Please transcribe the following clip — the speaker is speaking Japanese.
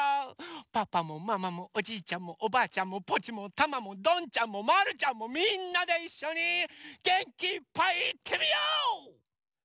パパもママもおじいちゃんもおばあちゃんもポチもタマもどんちゃんもまるちゃんもみんなでいっしょにげんきいっぱいいってみよう！